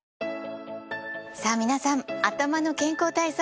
さぁ皆さん頭の健康対策